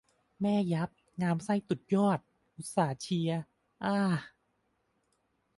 ยับแม่ งามไส้ตุดยอด อุตส่าห์เชียร์อ่า